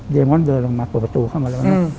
เดมอนเดินลงมาเปิดประตูลงไป